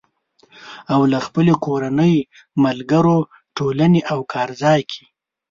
او له خپلې کورنۍ، ملګرو، ټولنې او کار ځای کې